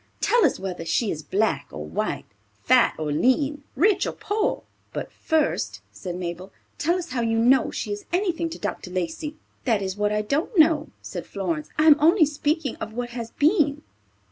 Tell us whether she is black or white, fat or lean, rich or poor." "But first," said Mabel, "tell us how you know she is anything to Dr. Lacey." "That is what I don't know," said Florence. "I am only speaking of what has been."